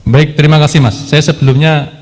baik terima kasih mas saya sebelumnya